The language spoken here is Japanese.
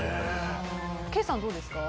ケイさん、どうですか？